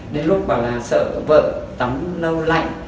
đến lúc bảo là sợ vợ tắm lâu lạnh